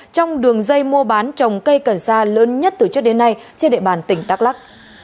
trong đường dây mua bán trồng cây cần sa lớn nhất từ trước đến nay trên địa bàn tỉnh đắk lắc